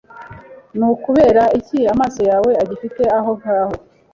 Ni ukubera iki amaso yawe agifite aho ngaho